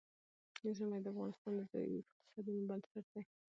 ژمی د افغانستان د ځایي اقتصادونو بنسټ دی.